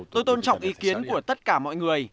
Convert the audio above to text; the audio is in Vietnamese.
tôi tôn trọng ý kiến của tất cả mọi người